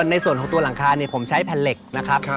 ในส่วนของตัวหลังคาผมใช้แผ่นเหล็กนะครับ